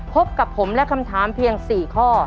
พบกับผมและคำถามเพียง๔ข้อ